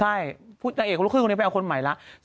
ใช่นางเอกผู้หญิงไปเอาคนใหม่แล้ว